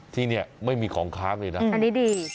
ที่นี่ไม่มีของค้างเลยนะอันนี้ดี